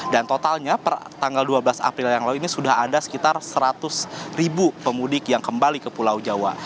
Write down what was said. dan totalnya per tanggal dua belas april yang lalu ini sudah ada sekitar seratus ribu pemudik yang kembali ke pulau jawa